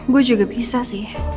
gue juga bisa sih